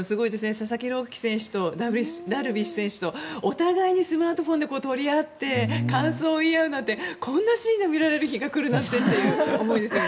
佐々木朗希選手とダルビッシュ選手とお互いにスマートフォンで撮り合って感想を言い合うなんてこんなシーンが見られる日が来るなんてという思いですよね。